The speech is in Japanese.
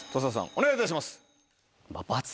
お願いいたします。